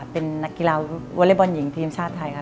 เป็นนักกีฬาวอเล็กบอลหญิงทีมชาติไทยค่ะ